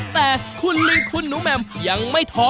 แต่คุณลิงคุณหนูแมมยังไม่ท้อ